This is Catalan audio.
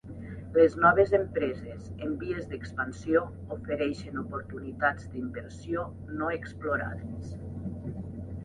Les noves empreses en vies d'expansió ofereixen oportunitats d'inversió no explorades.